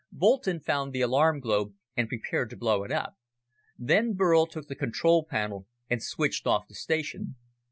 Boulton found the alarm globe and prepared to blow it up. Then Burl took the control panel and switched off the station.